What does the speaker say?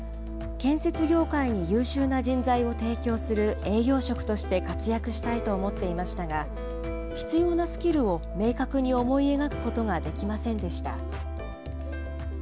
建設業界に優秀な人材を提供する営業職として活躍したいと思っていましたが、必要なスキルを明確に思い描くことができませんでした。